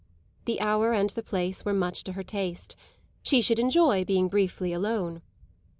The hour and the place were much to her taste she should enjoy being briefly alone.